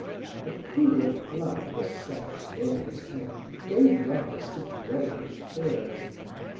A pool of blood on the steps near his head gave rise to grave fears.